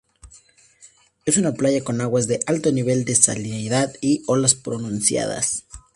Es una playa con aguas de alto nivel de salinidad y olas pronunciadas.